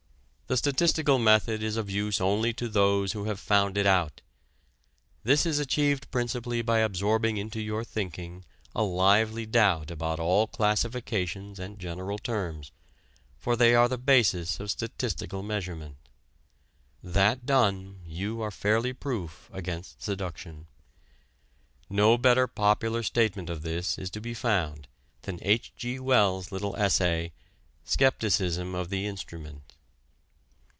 The statistical method is of use only to those who have found it out. This is achieved principally by absorbing into your thinking a lively doubt about all classifications and general terms, for they are the basis of statistical measurement. That done you are fairly proof against seduction. No better popular statement of this is to be found than H. G. Wells' little essay: "Skepticism of the Instrument."